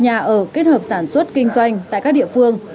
nhà ở kết hợp sản xuất kinh doanh tại các địa phương